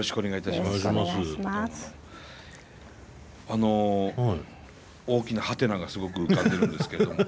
あの大きなハテナがすごく浮かんでいるんですけれども。